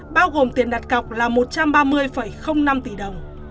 bao gồm tiền đặt cọc là một trăm ba mươi năm tỷ đồng